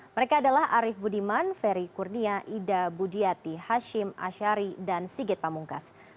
mereka adalah arief budiman ferry kurnia ida budiati hashim ashari dan sigit pamungkas